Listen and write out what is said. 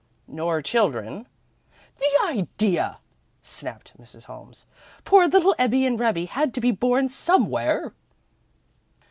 "Nor children " "The idea!" snapped Mrs. Holmes. "Poor little Ebbie and Rebbie had to be born somewhere."